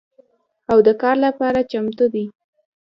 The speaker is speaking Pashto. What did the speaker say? او د کار لپاره چمتو دي